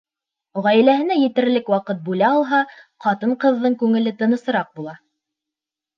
Ғаиләһенә етерлек ваҡыт бүлә алһа, ҡатын-ҡыҙҙың күңеле тынысыраҡ була.